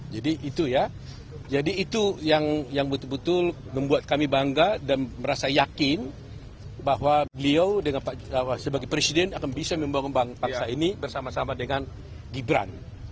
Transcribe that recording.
jadi itu ya jadi itu yang betul betul membuat kami bangga dan merasa yakin bahwa beliau sebagai presiden akan bisa membangun bangsa ini bersama sama dengan gibran